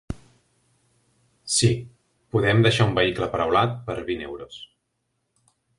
Sí, podem deixar un vehicle aparaulat per vint euros.